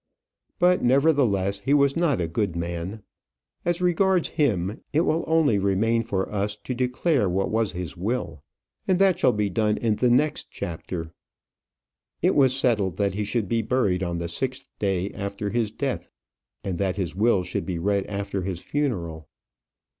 But, nevertheless, he was not a good man. As regards him, it will only remain for us to declare what was his will, and that shall be done in the next chapter. It was settled that he should be buried on the sixth day after his death, and that his will should be read after his funeral.